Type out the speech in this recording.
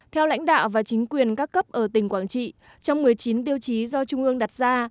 theo lãnh đạo và chính quyền các cấp ở tỉnh quảng trị trong một mươi chín tiêu chí do trung ương đặt ra